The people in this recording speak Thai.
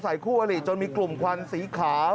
คู่อลิจนมีกลุ่มควันสีขาว